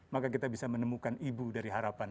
maka kita bisa menemukan ibu dari harapan